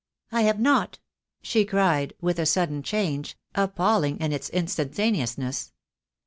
"I have not," she cried, with a sudden change, ap palling in its instantaneousness.